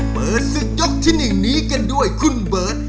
เปิดศึกยกที่๑นี้กันด้วยคุณเบิร์ต